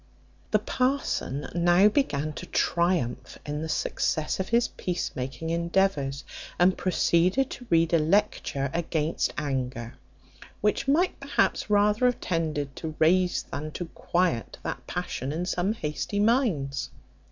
The parson now began to triumph in the success of his peace making endeavours, and proceeded to read a lecture against anger, which might perhaps rather have tended to raise than to quiet that passion in some hasty minds.